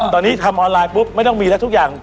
ตอนนี้ทำออนไลน์ปุ๊บไม่ต้องมีแล้วทุกอย่าง